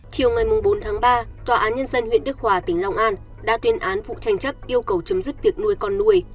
chiều ngày bốn tháng ba tòa án nhân dân huyện đức hòa tỉnh long an đã tuyên án vụ tranh chấp yêu cầu chấm dứt việc nuôi con nuôi